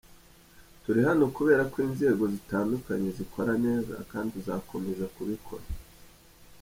Turi hano kubera ko inzego zitandukanye zikora neza kandi tuzakomeza kubikora.